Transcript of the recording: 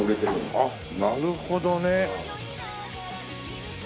あっなるほどね。